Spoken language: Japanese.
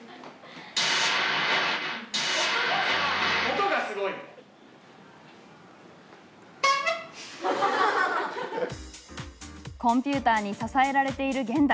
音がすごい。コンピューターに支えられている現代。